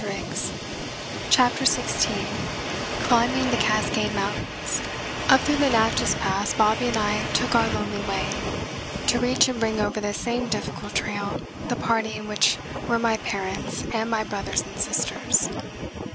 ] CHAPTER SIXTEEN CLIMBING THE CASCADE MOUNTAINS UP through the Natchess Pass Bobby and I took our lonely way, to reach and bring over this same difficult trail the party in which were my parents and my brothers and sisters.